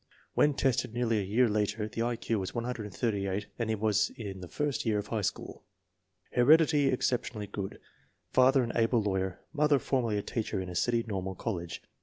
When tested nearly a year later the I Q was 138 and he was in the first year of high school. Heredity exceptionally good. Father an able law yer; mother formerly a teacher in a city normal college.